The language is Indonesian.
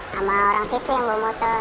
sama orang situ yang bawa motor